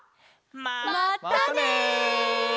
またね！